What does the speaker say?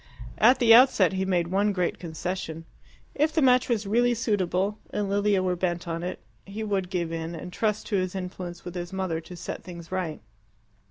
At the outset he made one great concession. If the match was really suitable, and Lilia were bent on it, he would give in, and trust to his influence with his mother to set things right.